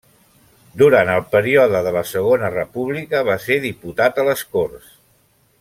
Durant el període de la Segona República va ser diputat a les Corts.